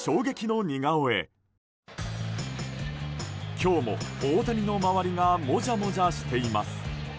今日も大谷の周りがもじゃもじゃしています。